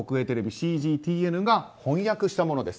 ＣＧＴＮが翻訳したものです。